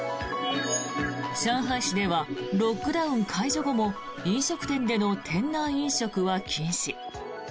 上海市ではロックダウン解除後も飲食店での店内飲食は禁止。